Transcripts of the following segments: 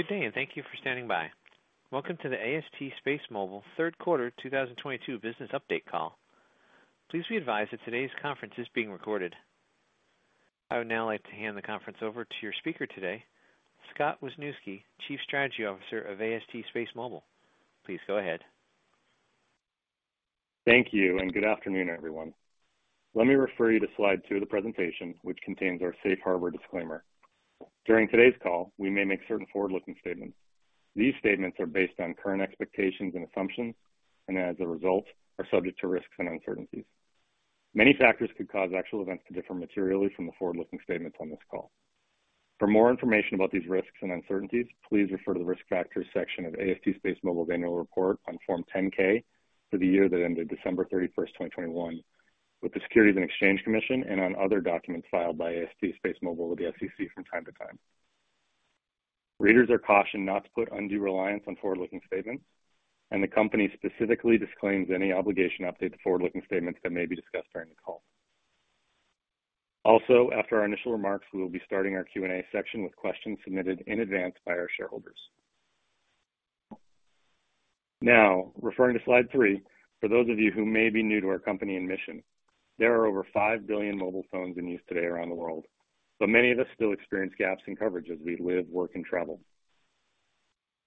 Good day, and thank you for standing by. Welcome to the AST SpaceMobile Third Quarter 2022 Business Update Call. Please be advised that today's conference is being recorded. I would now like to hand the conference over to your speaker today, Scott Wisniewski, Chief Strategy Officer of AST SpaceMobile. Please go ahead. Thank you and good afternoon, everyone. Let me refer you to slide 2 of the presentation, which contains our safe harbor disclaimer. During today's call, we may make certain forward-looking statements. These statements are based on current expectations and assumptions and as a result are subject to risks and uncertainties. Many factors could cause actual events to differ materially from the forward-looking statements on this call. For more information about these risks and uncertainties, please refer to the Risk Factors section of AST SpaceMobile's annual report on Form 10-K for the year that ended December 31, 2021 with the Securities and Exchange Commission and on other documents filed by AST SpaceMobile with the SEC from time to time. Readers are cautioned not to put undue reliance on forward-looking statements, and the company specifically disclaims any obligation to update the forward-looking statements that may be discussed during the call. Also, after our initial remarks, we will be starting our Q&A section with questions submitted in advance by our shareholders. Now, referring to slide 3. For those of you who may be new to our company and mission, there are over 5 billion mobile phones in use today around the world, but many of us still experience gaps in coverage as we live, work and travel.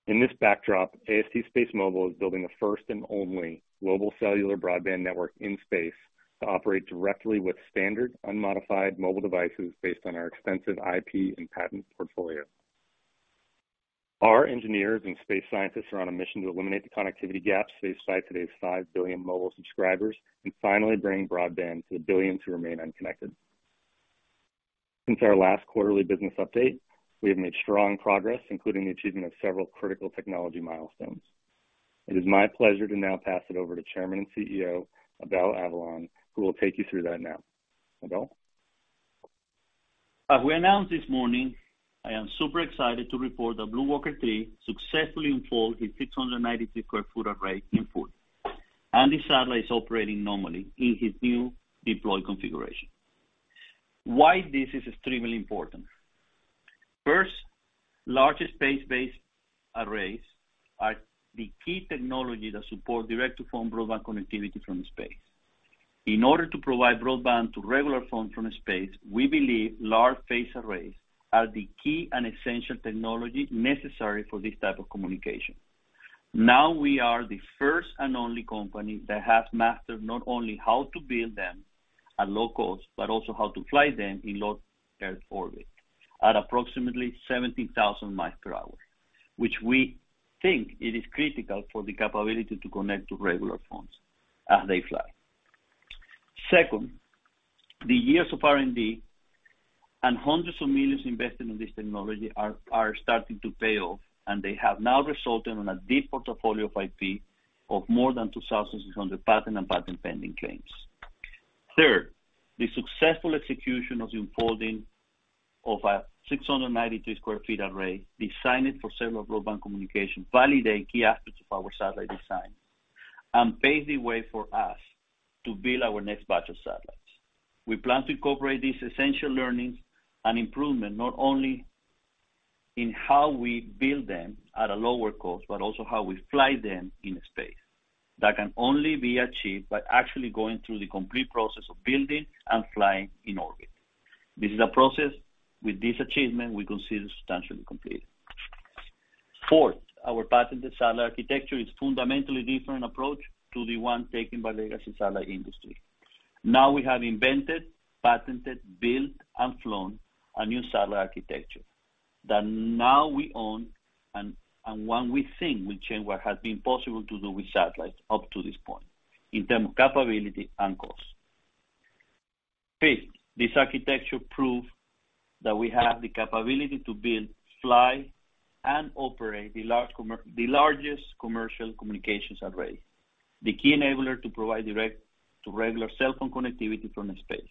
Against this backdrop, AST SpaceMobile is building the first and only global cellular broadband network in space to operate directly with standard unmodified mobile devices based on our extensive IP and patent portfolio. Our engineers and space scientists are on a mission to eliminate the connectivity gaps that affect today's 5 billion mobile subscribers and finally bring broadband to the 1 billion who remain unconnected. Since our last quarterly business update, we have made strong progress, including the achievement of several critical technology milestones. It is my pleasure to now pass it over to Chairman and CEO, Abel Avellan, who will take you through that now. Abel. As we announced this morning, I am super excited to report that BlueWalker 3 successfully unfolded its 693 sq ft array in full. The satellite is operating normally in its new deployed configuration. Why this is extremely important. First, large space-based arrays are the key technology that support direct-to-phone broadband connectivity from space. In order to provide broadband to regular phones from space, we believe large phased arrays are the key and essential technology necessary for this type of communication. Now, we are the first and only company that has mastered not only how to build them at low cost, but also how to fly them in low Earth orbit at approximately 70,000 miles per hour, which we think it is critical for the capability to connect to regular phones as they fly. Second, the years of R&D and hundreds of millions invested in this technology are starting to pay off, and they have now resulted in a deep portfolio of IP of more than 2,600 patent and patent pending claims. Third, the successful execution of the unfolding of a 693 sq ft array designed for cellular broadband communication validate key aspects of our satellite design and pave the way for us to build our next batch of satellites. We plan to incorporate these essential learnings and improvement not only in how we build them at a lower cost, but also how we fly them in space. That can only be achieved by actually going through the complete process of building and flying in orbit. This is a process with this achievement we consider substantially complete. Fourth, our patented satellite architecture is a fundamentally different approach to the one taken by the legacy satellite industry. Now we have invented, patented, built, and flown a new satellite architecture that now we own and one we think will change what has been possible to do with satellites up to this point in terms of capability and cost. Fifth, this architecture proves that we have the capability to build, fly, and operate the largest commercial communications array, the key enabler to provide direct-to-regular cellphone connectivity from space,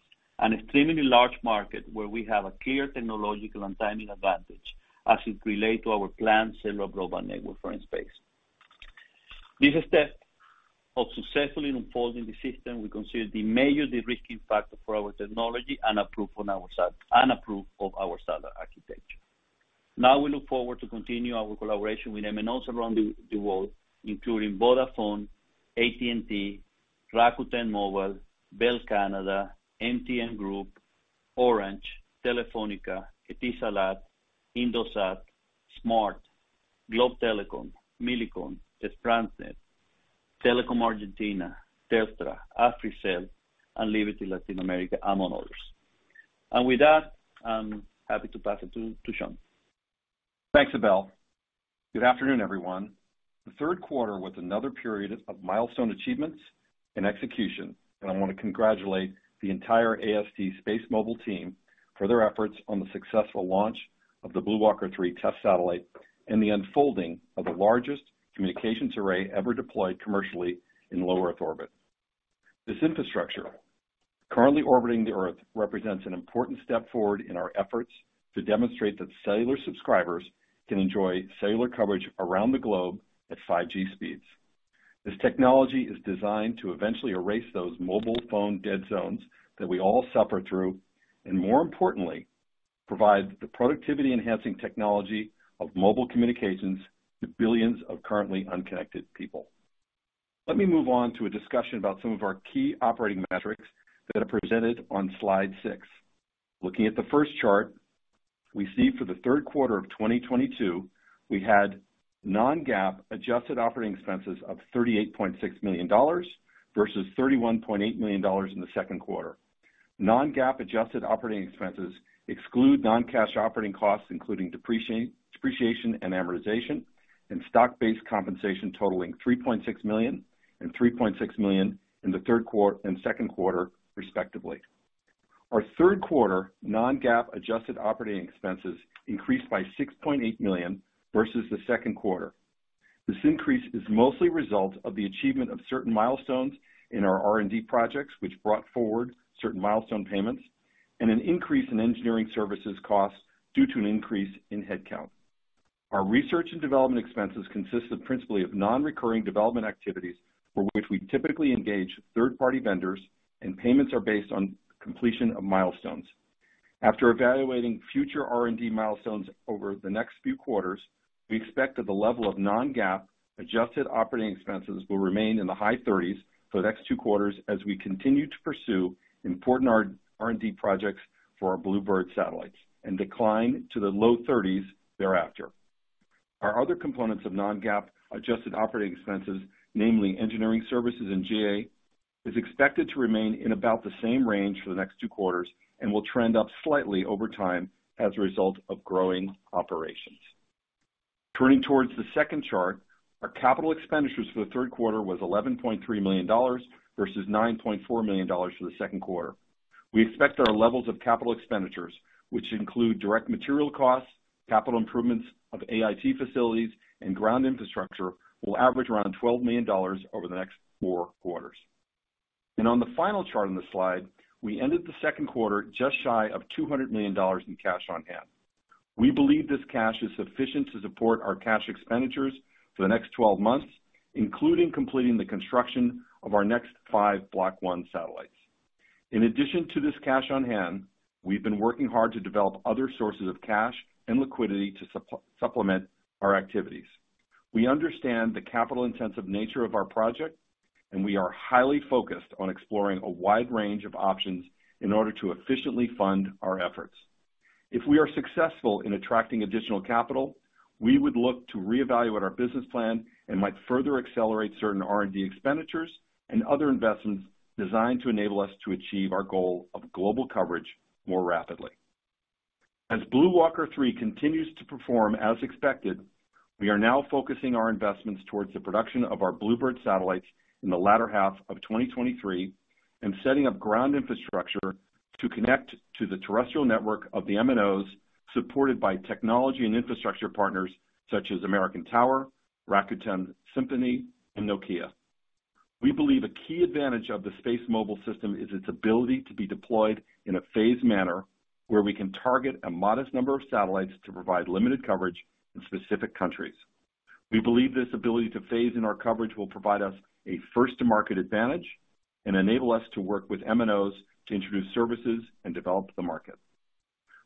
an extremely large market where we have a clear technological and timing advantage as it relates to our planned cellular global network for in space. This test of successfully unfolding the system we consider the major de-risking factor for our technology and approval of our satellite architecture. Now we look forward to continue our collaboration with MNOs around the world, including Vodafone, AT&T, Rakuten Mobile, Bell Canada, MTN Group, Orange, Telefónica, Etisalat, Indosat, Smart, Globe Telecom, Millicom, Sprint, Telecom Argentina, Telstra, Africell and Liberty Latin America, among others. With that, I'm happy to pass it to Sean. Thanks, Abel. Good afternoon, everyone. The third quarter was another period of milestone achievements and execution, and I want to congratulate the entire AST SpaceMobile team for their efforts on the successful launch of the BlueWalker 3 test satellite and the unfolding of the largest communications array ever deployed commercially in low Earth orbit. This infrastructure, currently orbiting the Earth, represents an important step forward in our efforts to demonstrate that cellular subscribers can enjoy cellular coverage around the globe at 5G speeds. This technology is designed to eventually erase those mobile phone dead zones that we all suffer through, and more importantly, provide the productivity enhancing technology of mobile communications to billions of currently unconnected people. Let me move on to a discussion about some of our key operating metrics that are presented on slide 6. Looking at the first chart, we see for the third quarter of 2022, we had non-GAAP adjusted operating expenses of $38.6 million versus $31.8 million in the second quarter. Non-GAAP adjusted operating expenses exclude non-cash operating costs, including depreciation, and amortization, and stock-based compensation totaling $3.6 million and $3.6 million in second quarter respectively. Our third quarter non-GAAP adjusted operating expenses increased by $6.8 million versus the second quarter. This increase is mostly a result of the achievement of certain milestones in our R&D projects, which brought forward certain milestone payments and an increase in engineering services costs due to an increase in headcount. Our research and development expenses consist principally of non-recurring development activities for which we typically engage third-party vendors, and payments are based on completion of milestones. After evaluating future R&D milestones over the next few quarters, we expect that the level of non-GAAP adjusted operating expenses will remain in the high thirties for the next 2 quarters as we continue to pursue important R&D projects for our BlueBird satellites and decline to the low thirties thereafter. Our other components of non-GAAP adjusted operating expenses, namely engineering services and G&A, is expected to remain in about the same range for the next 2 quarters and will trend up slightly over time as a result of growing operations. Turning towards the second chart. Our capital expenditures for the third quarter was $11.3 million versus $9.4 million for the second quarter. We expect our levels of capital expenditures, which include direct material costs, capital improvements of AIT facilities and ground infrastructure, will average around $12 million over the next 4 quarters. On the final chart on the slide, we ended the second quarter just shy of $200 million in cash on hand. We believe this cash is sufficient to support our cash expenditures for the next 12 months, including completing the construction of our next 5 Block 1 satellites. In addition to this cash on-hand, we've been working hard to develop other sources of cash and liquidity to supplement our activities. We understand the capital-intensive nature of our project, and we are highly focused on exploring a wide range of options in order to efficiently fund our efforts. If we are successful in attracting additional capital, we would look to reevaluate our business plan and might further accelerate certain R&D expenditures and other investments designed to enable us to achieve our goal of global coverage more rapidly. As BlueWalker3 continues to perform as expected, we are now focusing our investments towards the production of our BlueBird satellites in the latter half of 2023 and setting up ground infrastructure to connect to the terrestrial network of the MNOs supported by technology and infrastructure partners such as American Tower, Rakuten Symphony and Nokia. We believe a key advantage of the SpaceMobile system is its ability to be deployed in a phased manner where we can target a modest number of satellites to provide limited coverage in specific countries. We believe this ability to phase in our coverage will provide us a first to market advantage and enable us to work with MNOs to introduce services and develop the market.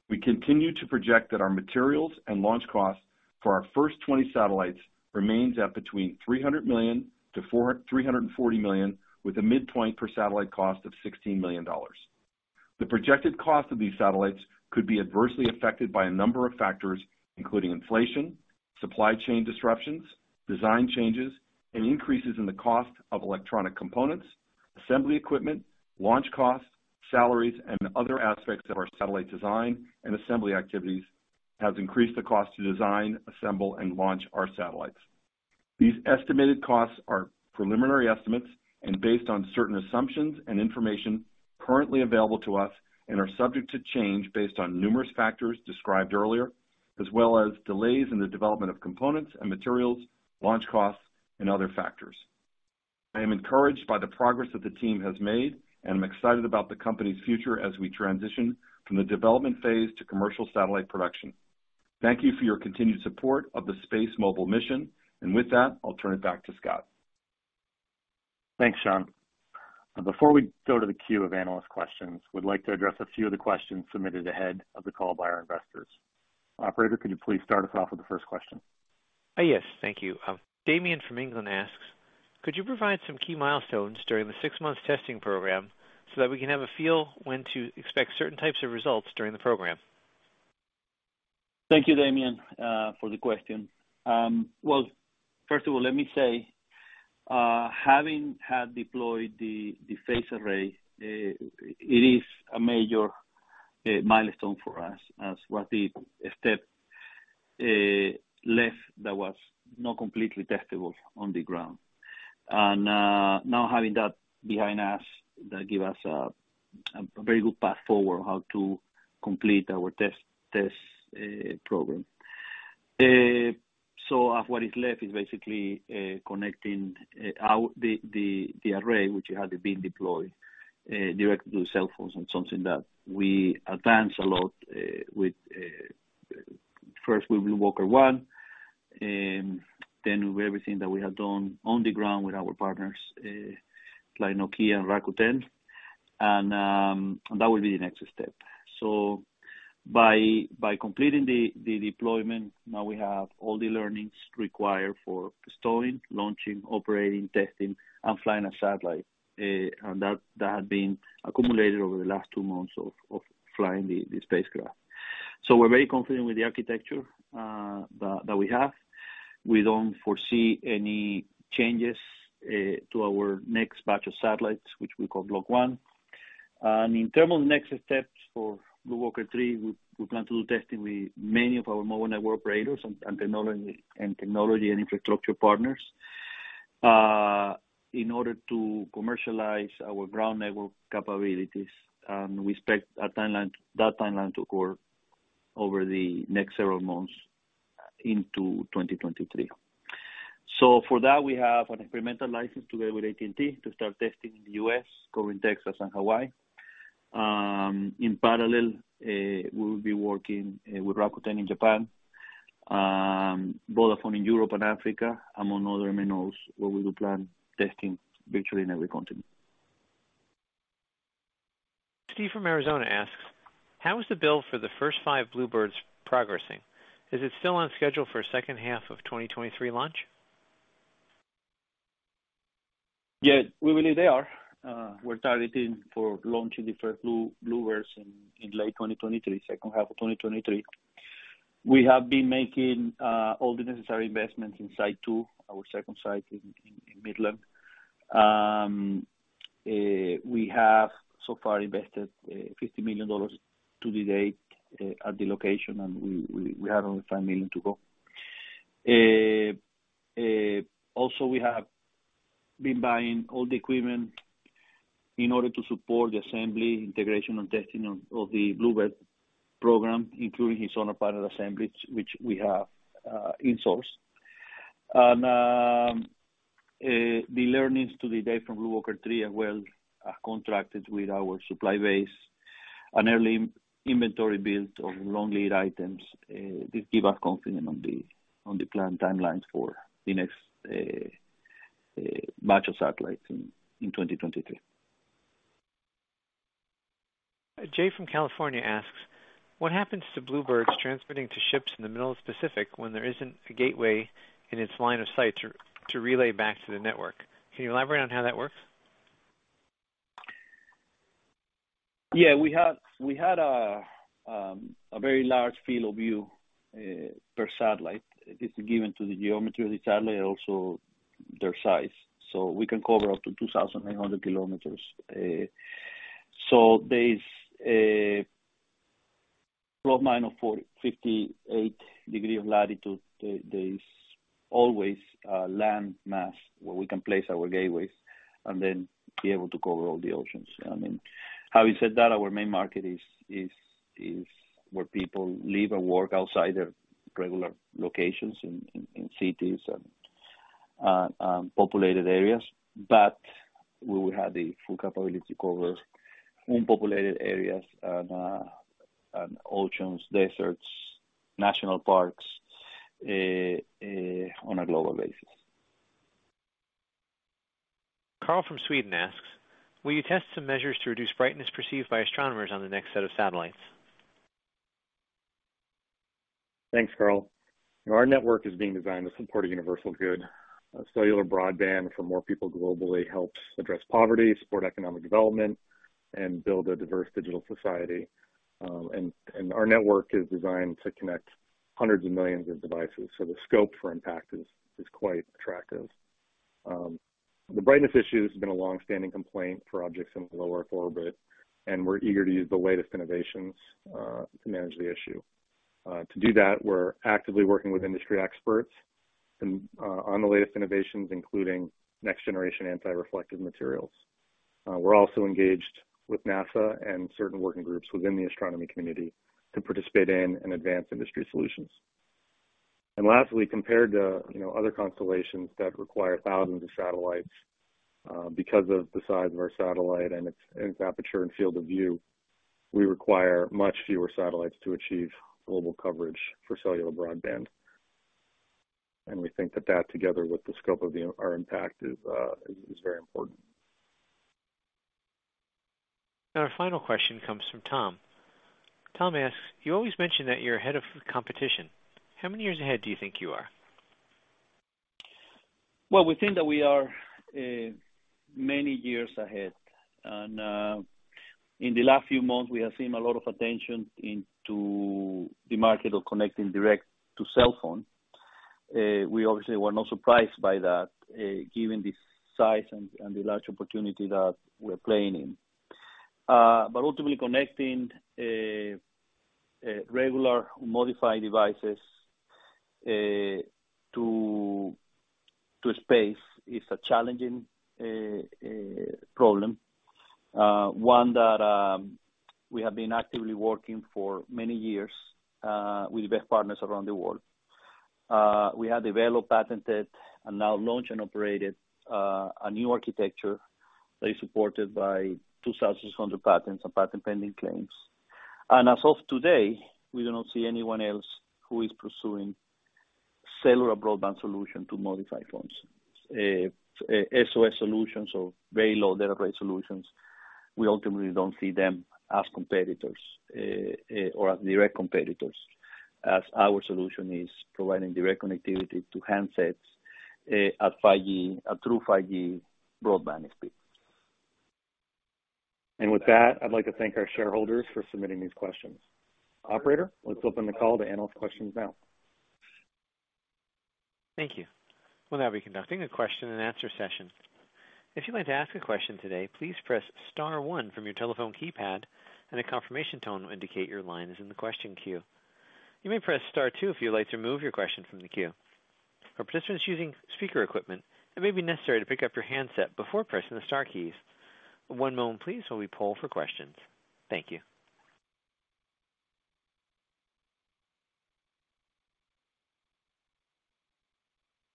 We continue to project that our materials and launch costs for our first 20 satellites remains at between $300 million and $340 million, with a midpoint per satellite cost of $16 million. The projected cost of these satellites could be adversely affected by a number of factors, including inflation, supply chain disruptions, design changes, and increases in the cost of electronic components, assembly equipment, launch costs, salaries, and other aspects of our satellite design and assembly activities has increased the cost to design, assemble, and launch our satellites. These estimated costs are preliminary estimates and based on certain assumptions and information currently available to us and are subject to change based on numerous factors described earlier, as well as delays in the development of components and materials, launch costs and other factors. I am encouraged by the progress that the team has made, and I'm excited about the company's future as we transition from the development phase to commercial satellite production. Thank you for your continued support of the SpaceMobile mission. With that, I'll turn it back to Scott. Thanks, Sean. Before we go to the queue of analyst questions, we'd like to address a few of the questions submitted ahead of the call by our investors. Operator, could you please start us off with the first question? Yes, thank you. Damian from England asks: Could you provide some key milestones during the 6 months testing program so that we can have a feel when to expect certain types of results during the program? Thank you, Damian, for the question. Well, first of all, let me say, having deployed the phased array, it is a major milestone for us, the last step that was not completely testable on the ground. Now having that behind us, that give us a very good path forward how to complete our test program. What is left is basically connecting the array which has been deployed directly to cell phones and something that we advance a lot with BlueWalker 1, and then with everything that we have done on the ground with our partners like Nokia and Rakuten, and that will be the next step. By completing the deployment, now we have all the learnings required for storing, launching, operating, testing, and flying a satellite. That had been accumulated over the last 2 months of flying the spacecraft. We're very confident with the architecture that we have. We don't foresee any changes to our next batch of satellites, which we call Block 1. In terms of next steps for BlueWalker 3, we plan to do testing with many of our mobile network operators and technology and infrastructure partners in order to commercialize our ground-level capabilities, and we expect that timeline to occur over the next several months into 2023. For that, we have an experimental license together with AT&T to start testing in the U.S., covering Texas and Hawaii. In parallel, we will be working with Rakuten in Japan, Vodafone in Europe and Africa, among other MNOs, where we do plan testing virtually in every continent. Steve from Arizona asks, "How is the build for the first 5 BlueBirds progressing? Is it still on schedule for second half of 2023 launch? Yeah. We believe they are. We're targeting for launching the first BlueBirds in late 2023, second half of 2023. We have been making all the necessary investments in site 2, our second site in Midland. We have so far invested $50 million to date at the location, and we have only $5 million to go. Also, we have been buying all the equipment in order to support the assembly, integration, and testing of the BlueBird program, including the solar panel assembly, which we have in-sourced. The learnings to date from BlueWalker 3 are contracted with our supply base. An early inventory build of long lead items, this give us confidence on the planned timelines for the next batch of satellites in 2023. Jay from California asks, "What happens to BlueBirds transmitting to ships in the middle of Pacific when there isn't a gateway in its line of sight to relay back to the network? Can you elaborate on how that works? We had a very large field of view per satellite. It is given to the geometry of the satellite, also their size. We can cover up to 2,900 kilometers. There is ±58 degrees of latitude. There is always a land mass where we can place our gateways and then be able to cover all the oceans. I mean, having said that, our main market is where people live and work outside their regular locations in cities and populated areas. We will have the full capability to cover unpopulated areas and oceans, deserts, national parks on a global basis. Carl from Sweden asks, "Will you test some measures to reduce brightness perceived by astronomers on the next set of satellites? Thanks, Carl. Our network is being designed to support a universal good. A cellular broadband for more people globally helps address poverty, support economic development, and build a diverse digital society. Our network is designed to connect hundreds of millions of devices, so the scope for impact is quite attractive. The brightness issue has been a long-standing complaint for objects in lower orbit, and we're eager to use the latest innovations to manage the issue. To do that, we're actively working with industry experts and on the latest innovations, including next generation anti-reflective materials. We're also engaged with NASA and certain working groups within the astronomy community to participate in and advance industry solutions. Lastly, compared to, you know, other constellations that require thousands of satellites, because of the size of our satellite and its aperture and field of view, we require much fewer satellites to achieve global coverage for cellular broadband. We think that together with the scope of our impact is very important. Our final question comes from Tom. Tom asks, "You always mention that you're ahead of competition. How many years ahead do you think you are? Well, we think that we are many years ahead. In the last few months, we have seen a lot of attention into the market of connecting direct to cell phone. We obviously were not surprised by that, given the size and the large opportunity that we're playing in. Ultimately connecting regular modified devices to space is a challenging problem. One that we have been actively working for many years with the best partners around the world. We have developed, patented, and now launched and operated a new architecture that is supported by 2,600 patents and patent pending claims. As of today, we do not see anyone else who is pursuing cellular broadband solution to modified phones. SOS solutions or very low data rate solutions, we ultimately don't see them as competitors, or as direct competitors, as our solution is providing direct connectivity to handsets, at 5G, through 5G broadband speeds. With that, I'd like to thank our shareholders for submitting these questions. Operator, let's open the call to analyst questions now. Thank you. We'll now be conducting a question and answer session. If you'd like to ask a question today, please press star one from your telephone keypad and a confirmation tone will indicate your line is in the question queue. You may press star two if you'd like to remove your question from the queue. For participants using speaker equipment, it may be necessary to pick up your handset before pressing the star keys. One moment please, while we poll for questions. Thank you.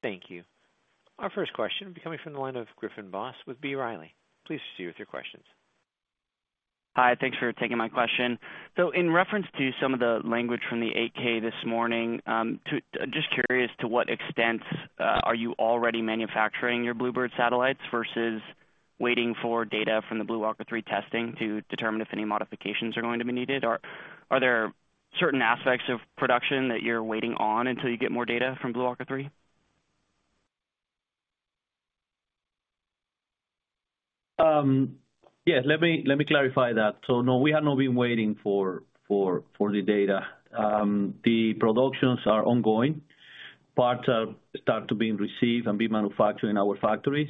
Thank you. Our first question will be coming from the line of Griffin Boss with B. Riley. Please proceed with your questions. Hi, thanks for taking my question. In reference to some of the language from the Form 8-K this morning, just curious to what extent are you already manufacturing your BlueBird satellites versus waiting for data from the BlueWalker 3 testing to determine if any modifications are going to be needed? Or are there certain aspects of production that you're waiting on until you get more data from BlueWalker 3? Yeah. Let me clarify that. No, we have not been waiting for the data. The productions are ongoing. Parts are starting to be received and being manufactured in our factories.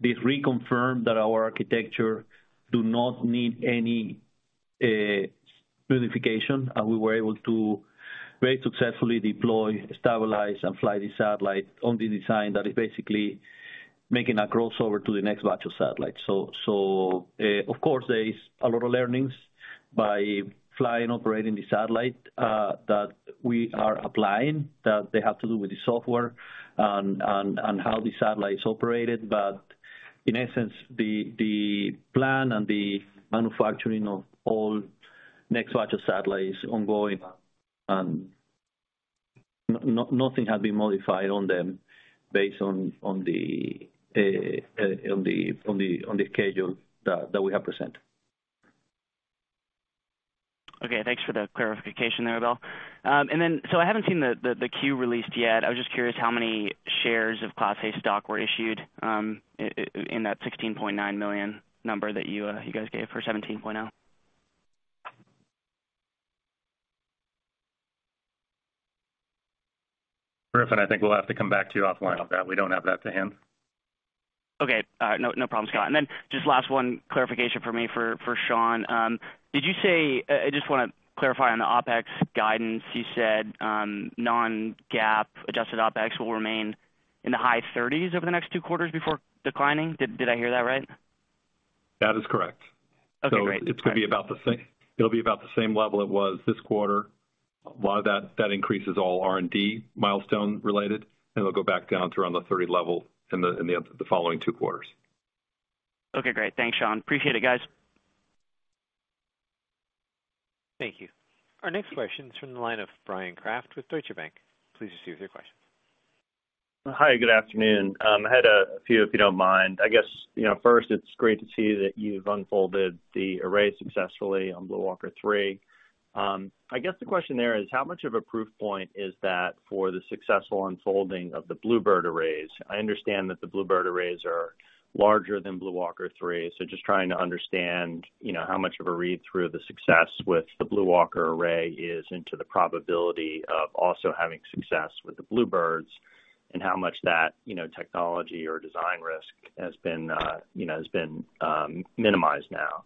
This reconfirmed that our architecture does not need any specification, and we were able to very successfully deploy, stabilize, and fly the satellite on the design that is basically making a crossover to the next batch of satellites. Of course, there is a lot of learnings by flying, operating the satellite, that we are applying. They have to do with the software and how the satellite is operated. In essence, the plan and the manufacturing of all next batch of satellites ongoing and nothing has been modified on them based on the schedule that we have presented. Okay, thanks for the clarification there, Abel. I haven't seen the 10-Q released yet. I was just curious how many shares of Class A stock were issued, in that 16.9 million number that you guys gave for 17.0. Griffin, I think we'll have to come back to you offline on that. We don't have that to hand. Okay. All right. No problem, Scott. Just one last clarification from me for Sean. Did you say I just want to clarify on the OpEx guidance. You said non-GAAP adjusted OpEx will remain in the high thirties over the next 2 quarters before declining. Did I hear that right? That is correct. Okay, great. It's gonna be about the same. It'll be about the same level it was this quarter. A lot of that increase is all R&D milestone related, and it'll go back down to around the $30 level in the following 2 quarters. Okay, great. Thanks, Sean. Appreciate it, guys. Thank you. Our next question is from the line of Bryan Kraft with Deutsche Bank. Please proceed with your question. Hi, good afternoon. I had a few, if you don't mind. I guess, you know, first, it's great to see that you've unfolded the array successfully on BlueWalker 3. I guess the question there is how much of a proof point is that for the successful unfolding of the BlueBird arrays? I understand that the BlueBird arrays are larger than BlueWalker 3. So just trying to understand, you know, how much of a read through the success with the BlueWalker array is into the probability of also having success with the BlueBirds and how much that, you know, technology or design risk has been, you know, minimized now.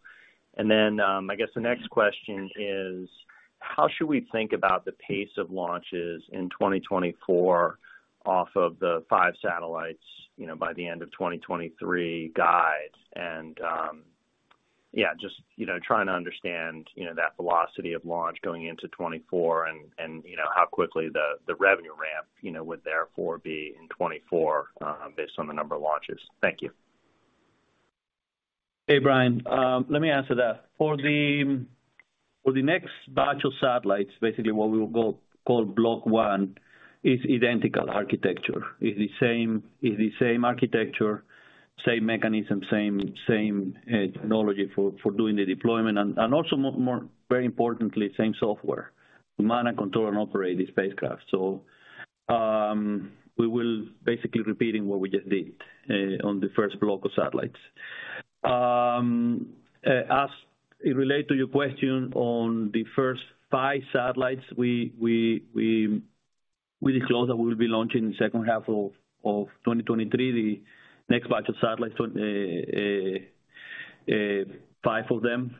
Then, I guess the next question is how should we think about the pace of launches in 2024 off of the 5 satellites, you know, by the end of 2023 guides? Yeah, just you know, trying to understand you know, that velocity of launch going into 2024 and you know, how quickly the revenue ramp you know, would therefore be in 2024 based on the number of launches. Thank you. Hey, Bryan. Let me answer that. For the next batch of satellites, basically what we will call Block 1 is identical architecture. It is the same architecture, same mechanism, same technology for doing the deployment and also more very importantly, same software to monitor, control, and operate the spacecraft. We will basically repeating what we just did on the first block of satellites. As it relate to your question on the first 5 satellites, we disclose that we will be launching in second half of 2023 the next batch of satellites, 5 of them.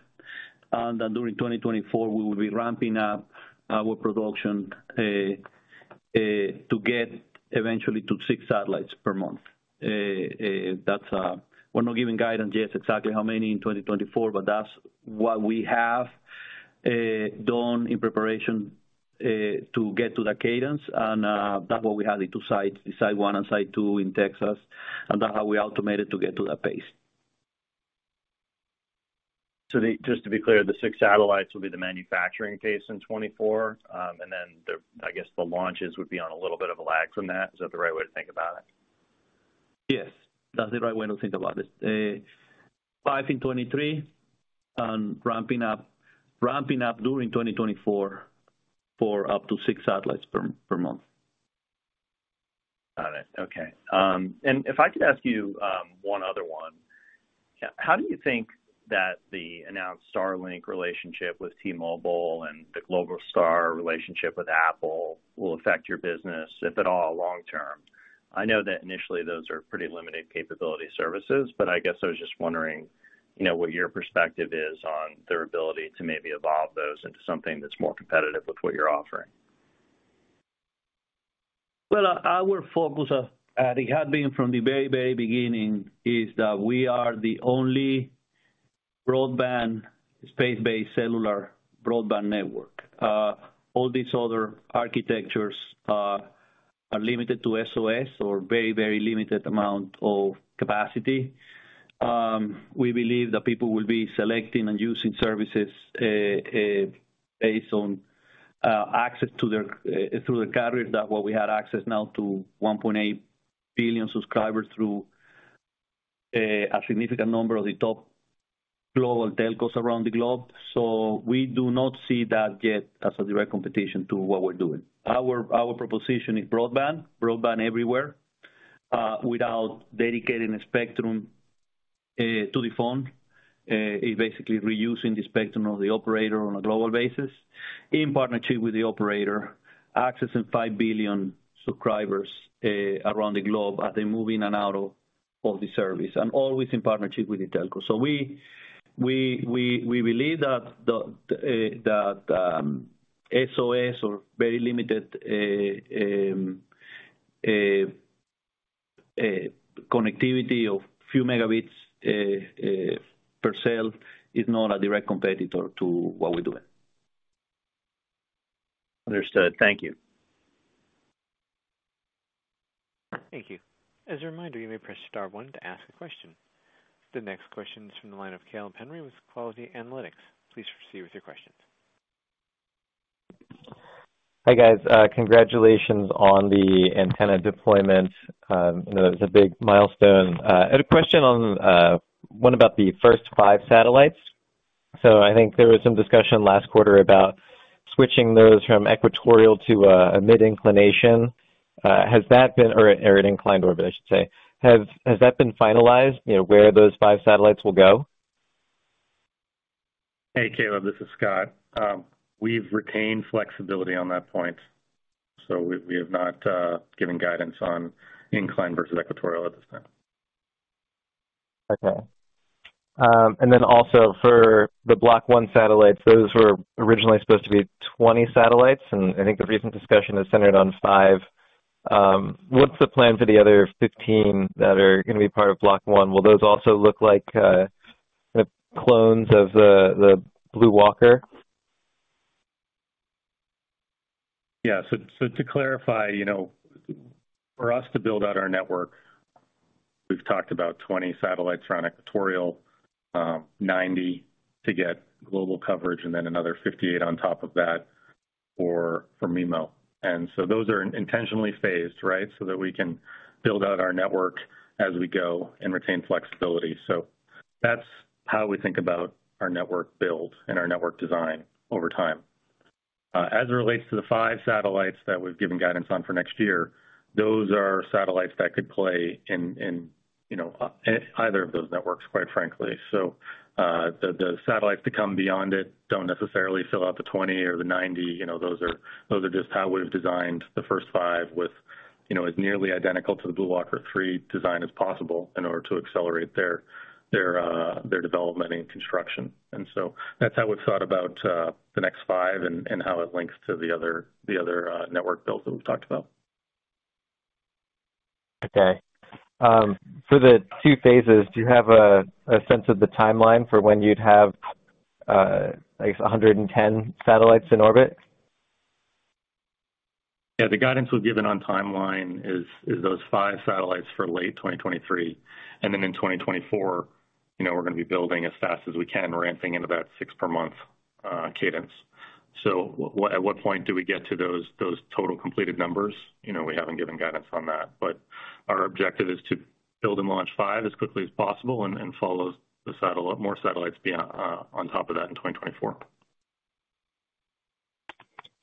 Then during 2024, we will be ramping up our production to get eventually to 6 satellites per month. That's, we're not giving guidance yet exactly how many in 2024, but that's what we have done in preparation to get to the cadence and that way we have the 2 sites, the site 1 and site 2 in Texas, and that's how we automated to get to that pace. Just to be clear, the 6 satellites will be the manufacturing pace in 2024, and then I guess, the launches would be on a little bit of a lag from that. Is that the right way to think about it? Yes, that's the right way to think about it. 5 in 2023 and ramping up during 2024 for up to 6 satellites per month. Got it. Okay. If I could ask you, one other one. How do you think that the announced Starlink relationship with T-Mobile and the Globalstar relationship with Apple will affect your business, if at all, long-term? I know that initially those are pretty limited capability services, but I guess I was just wondering, you know, what your perspective is on their ability to maybe evolve those into something that's more competitive with what you're offering. Our focus at AST had been from the very beginning is that we are the only broadband, space-based, cellular broadband network. All these other architectures are limited to SOS or very limited amount of capacity. We believe that people will be selecting and using services based on access to their through the carriers that we have access now to 1.8 billion subscribers through a significant number of the top global telcos around the globe. We do not see that yet as a direct competition to what we're doing. Our proposition is broadband everywhere without dedicating a spectrum to the phone. It basically reusing the spectrum of the operator on a global basis in partnership with the operator, accessing 5 billion subscribers around the globe as they move in and out of the service and always in partnership with the telco. We believe that the SOS or very limited connectivity of few megabits per se is not a direct competitor to what we're doing. Understood. Thank you. Thank you. As a reminder, you may press star one to ask a question. The next question is from the line of Caleb Henry with Quilty Space. Please proceed with your questions. Hi, guys. Congratulations on the antenna deployment. You know, it's a big milestone. I had a question on one about the first 5 satellites. I think there was some discussion last quarter about switching those from equatorial to a mid-inclination or an inclined orbit, I should say. Has that been finalized, you know, where those 5 satellites will go? Hey, Caleb, this is Scott. We've retained flexibility on that point, so we have not given guidance on inclined versus equatorial at this time. Okay. For the Block 1 satellites, those were originally supposed to be 20 satellites, and I think the recent discussion is centered on 5. What's the plan for the other 15 that are gonna be part of Block 1? Will those also look like the clones of the BlueWalker? Yeah. To clarify, you know, for us to build out our network, we've talked about 20 satellites around equatorial, 90 to get global coverage and then another 58 on top of that for MIMO. Those are intentionally phased, right? That we can build out our network as we go and retain flexibility. That's how we think about our network build and our network design over time. As it relates to the 5 satellites that we've given guidance on for next year, those are satellites that could play in, you know, in either of those networks, quite frankly. The satellites that come beyond it don't necessarily fill out the 20 or the 90. You know, those are just how we've designed the first 5 with, you know, as nearly identical to the BlueWalker 3 design as possible in order to accelerate their development and construction. That's how it's thought about the next 5 and how it links to the other network builds that we've talked about. Okay. For the 2 phases, do you have a sense of the timeline for when you'd have, I guess, 110 satellites in orbit? Yeah. The guidance we've given on timeline is those 5 satellites for late 2023. In 2024, you know, we're gonna be building as fast as we can, ramping into that 6 per month cadence. At what point do we get to those total completed numbers? You know, we haven't given guidance on that. Our objective is to build and launch 5 as quickly as possible and follow with more satellites on top of that in 2024.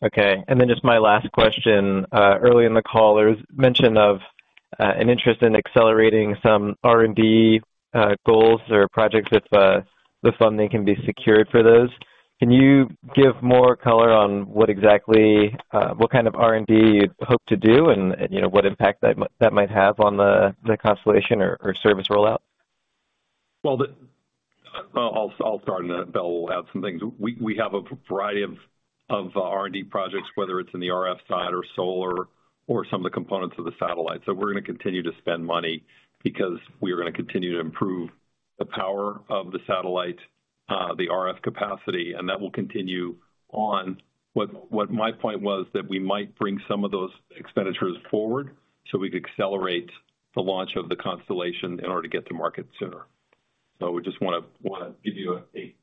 Okay. Just my last question. Early in the call, there's mention of an interest in accelerating some R&D goals or projects if the funding can be secured for those. Can you give more color on what exactly what kind of R&D you'd hope to do and, you know, what impact that might have on the constellation or service rollout? Well, I'll start and then Bill will add some things. We have a variety of R&D projects, whether it's in the RF side or solar or some of the components of the satellite. We're gonna continue to spend money because we're gonna continue to improve. The power of the satellite, the RF capacity, and that will continue on. What my point was that we might bring some of those expenditures forward so we could accelerate the launch of the constellation in order to get to market sooner. We just wanna give you a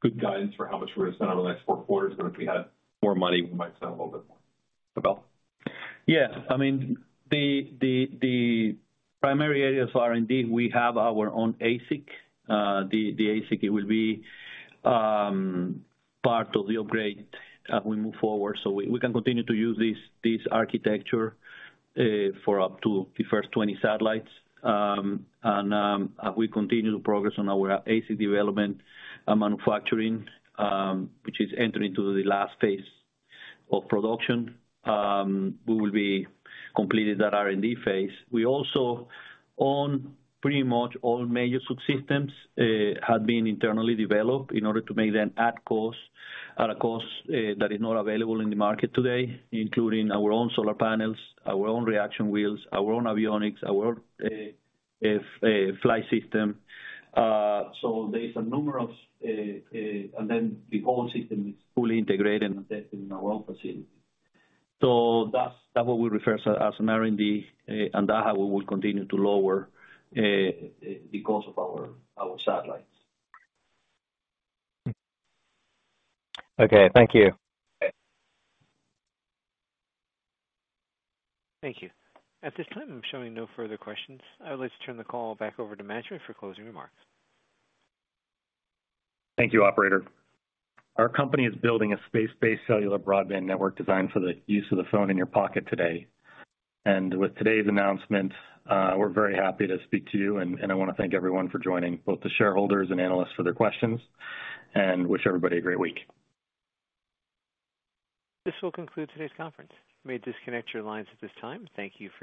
good guidance for how much we're gonna spend over the next 4 quarters, but if we had more money, we might sell a little bit more. Abel. Yes. I mean, the primary areas of R&D, we have our own ASIC. The ASIC, it will be part of the upgrade as we move forward. We can continue to use this architecture for up to the first 20 satellites. As we continue to progress on our ASIC development and manufacturing, which is entering the last phase of production, we will be completing that R&D phase. We also own pretty much all major subsystems have been internally developed in order to make them at a cost that is not available in the market today, including our own solar panels, our own reaction wheels, our own avionics, our flight system. The whole system is fully integrated and tested in our own facility. That's what we refer to as an R&D, and that's how we will continue to lower the cost of our satellites. Okay. Thank you. Okay. Thank you. At this time, I'm showing no further questions. I would like to turn the call back over to Abel Avellan for closing remarks. Thank you, operator. Our company is building a space-based cellular broadband network designed for the use of the phone in your pocket today. With today's announcement, we're very happy to speak to you, and I wanna thank everyone for joining, both the shareholders and analysts for their questions, and wish everybody a great week. This will conclude today's conference. You may disconnect your lines at this time. Thank you for-